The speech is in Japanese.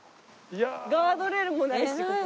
ガードレールもないしここ。